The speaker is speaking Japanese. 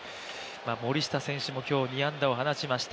森下選手も今日２安打を放ちました。